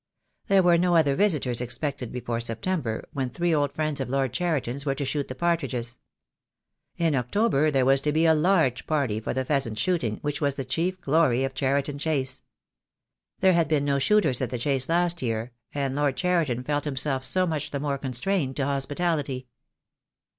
There were no other visitors expected before September, when three old friends of Lord Cheriton's were to shoot the partridges. THE DAY WILL COME. 10Q In October there was to be a large party for the pheasant shooting, which was the chief glory of Cheriton Chase. There had been no shooters at the Chase last year, and Lord Cheriton felt himself so much the more constrained to hospitality.